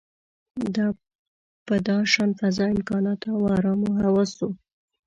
په داشان فضا، امکاناتو او ارامو حواسو.